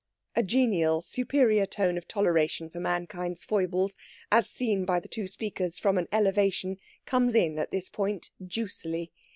A genial superior tone of toleration for mankind's foibles as seen by the two speakers from an elevation comes in at this point juicily.